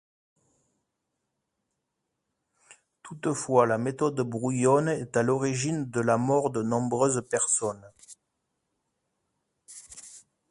Toutefois la méthode brouillonne est à l'origine de la mort de nombreuses personnes.